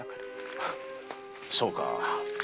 そうか。